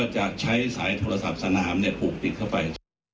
จะใช้สายโทรศัพท์สนามเนี่ยปลูกปิดเข้าไป